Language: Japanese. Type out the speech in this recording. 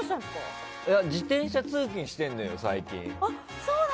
自転車通勤してるのよ、最近。